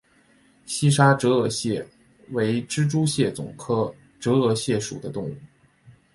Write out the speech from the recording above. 西沙折额蟹为蜘蛛蟹总科折额蟹属的动物。